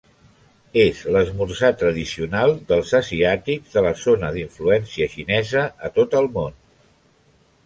És l'esmorzar tradicional dels asiàtics de la zona d'influència xinesa a tot el món.